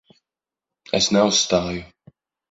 Es neuzstāju.